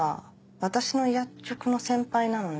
私の薬局の先輩なのね。